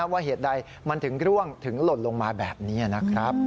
ว่าเหตุใดมันถึงร่วงถึงหล่นลงมาแบบนี้นะครับ